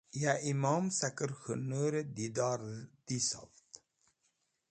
ya imom saker k̃hu noor e didor disuv